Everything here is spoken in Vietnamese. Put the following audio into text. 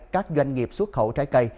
các doanh nghiệp xuất khẩu trái cây